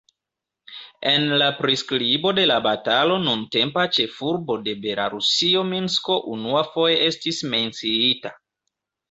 En la priskribo de la batalo nuntempa ĉefurbo de Belarusio Minsko unuafoje estis menciita.